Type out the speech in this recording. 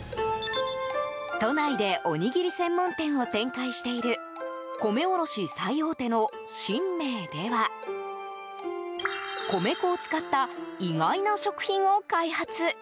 都内でおにぎり専門店を展開している米卸最大手の神明では米粉を使った意外な食品を開発。